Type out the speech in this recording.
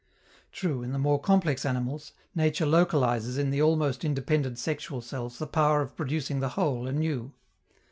True, in the more complex animals, nature localizes in the almost independent sexual cells the power of producing the whole anew.